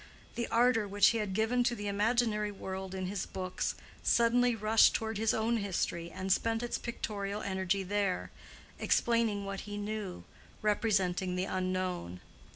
The ardor which he had given to the imaginary world in his books suddenly rushed toward his own history and spent its pictorial energy there, explaining what he knew, representing the unknown.